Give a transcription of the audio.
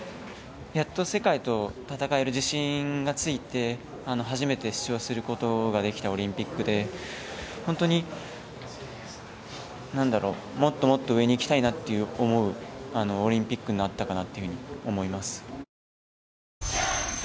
やっと世界と戦える自信がついて初めて出場することができたオリンピックで本当にもっともっと上に行きたいなと思うオリンピックになったかなと思います。